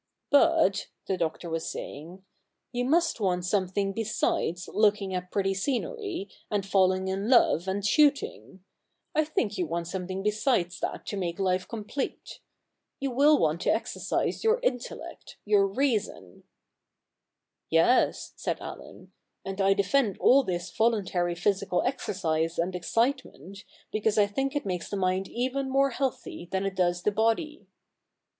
' But,' the Doctor was saying, ' you must want some thing besides looking at pretty scenery, and falling in love, and shooting, I think you want something besides that to make life complete. You will want to exercise your intellect — your reason.' ' Yes,' said Allen, ' and I defend all this voluntary physical exercise and excitement, because I think it CH. ii] THE NEW REPUBLIC 219 makes the mind even more healthy than it does the body.'